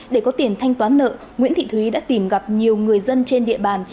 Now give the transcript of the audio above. để có tiền thanh toán nợ nguyễn thị thúy đã tìm gặp nhiều người dân trên địa bàn